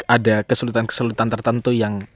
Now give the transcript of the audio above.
ada kesulitan kesulitan tertentu yang